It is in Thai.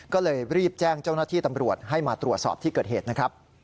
ก็เลยรีบแจ้งเจ้าหน้าที่ตำรวจให้มาตรวจสอบที่เกิดเหตุนะครับ